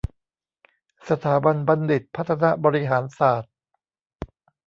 สถาบันบัณฑิตพัฒนบริหารศาสตร์